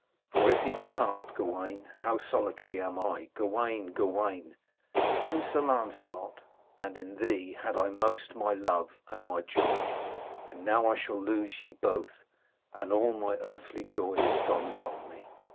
For if ye depart, Gawaine, how solitary am I! Gawaine! Gawaine! in Sir Lancelot and in thee had I most my love and my joy, and now shall I lose ye both, and all my earthly joy is gone from me.'